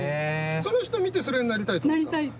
その人見てそれになりたいと思ったの？